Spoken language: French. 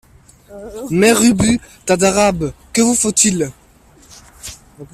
Mère Ubu Tas d’Arabes, que vous faut-il ?